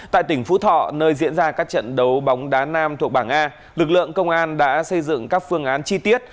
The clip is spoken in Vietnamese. tại tỉnh phú thọ nơi diễn ra các trận đấu bóng đá nam thuộc bảng a lực lượng công an đã xây dựng các phương án chi tiết